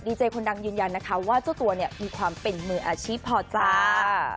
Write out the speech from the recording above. ดีเจคนดังยืนยันนะคะว่าเจ้าตัวเนี่ยมีความเป็นมืออาชีพพอจ้า